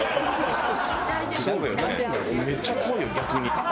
めっちゃ怖いよ逆に。